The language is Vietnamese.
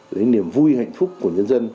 với niềm vui hạnh phúc của nhân dân